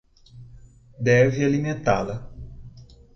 Deve alimentá-la.